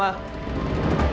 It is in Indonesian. bentar aku panggilnya